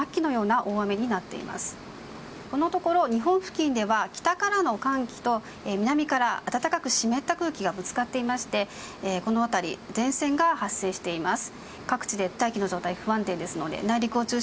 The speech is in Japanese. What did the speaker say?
このところ日本付近では北からの寒気と南から暖かく湿った空気がぶつかっていましてこの辺り、前線が発生しています。